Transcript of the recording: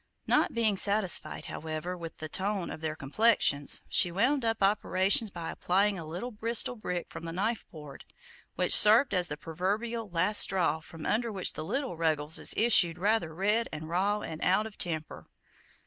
Not being satisfied, however, with the "tone" of their complexions, she wound up operations by applying a little Bristol brick from the knife board, which served as the proverbial "last straw," from under which the little Ruggleses issued rather red and raw and out of temper.